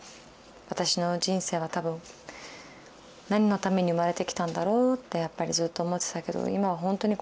私の人生は多分何のために生まれてきたんだろうってやっぱりずっと思ってたけど今は本当にこれは言える。